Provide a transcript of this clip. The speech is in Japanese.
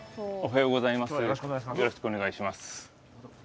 よろしくお願いします。